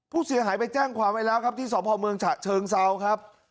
ผู้เสียหายไปแจ้งความไว้แล้วครับที่สพเมืองฉะเชิงเซาครับ